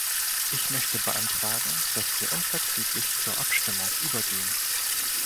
Ich möchte beantragen, dass wir unverzüglich zur Abstimmung übergehen.